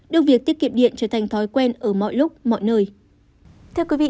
đưa việc tiết kiệm điện trở thành thói quen ở mọi lúc mọi nơi